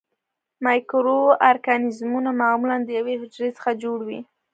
مایکرو ارګانیزمونه معمولاً د یوې حجرې څخه جوړ وي.